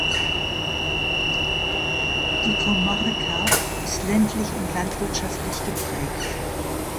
Die Comarca ist ländlich und landwirtschaftlich geprägt.